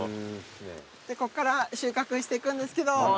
ここから収穫していくんですけど。